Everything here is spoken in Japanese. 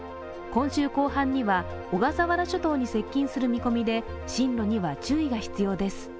今週後半には小笠原諸島に接近する見込みで進路には注意が必要です。